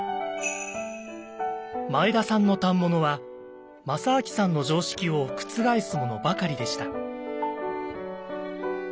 前田さんの反物は正明さんの常識を覆すものばかりでした。